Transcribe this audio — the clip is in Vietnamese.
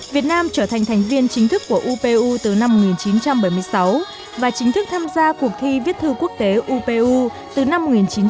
việt nam trở thành thành viên chính thức của upu từ năm một nghìn chín trăm bảy mươi sáu và chính thức tham gia cuộc thi viết thư quốc tế upu từ năm một nghìn chín trăm bảy mươi